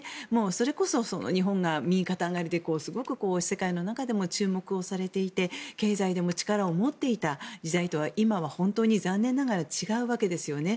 それこそ、日本が右肩上がりで世界の中でも注目をされていて経済でも力を持っていた時代とは今は本当に残念ながら違うわけですよね。